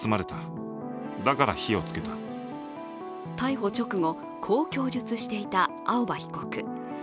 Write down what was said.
逮捕直後、こう供述していた青葉被告。